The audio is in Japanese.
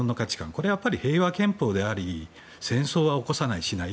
これは平和憲法であり戦争は起こさない、しない